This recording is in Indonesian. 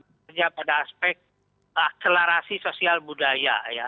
bekerja pada aspek akselerasi sosial budaya ya